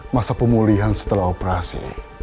masa pemulihan setelah operasi